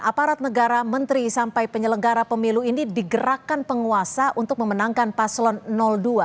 aparat negara menteri sampai penyelenggara pemilu ini digerakkan penguasa untuk memenangkan paslon dua